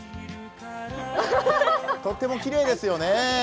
とってもきれいですよね。